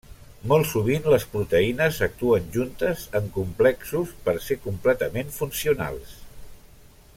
Molt sovint les proteïnes actuen juntes en complexos per ser completament funcionals.